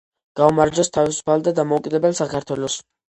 გაუმარჯოს თავისუფალ და დამოუკიდებელ საქართველოს!